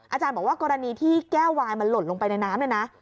อาจารย์บอกว่ากรณีที่แก้ววายมันหล่นลงไปในน้ำเนี่ยนะ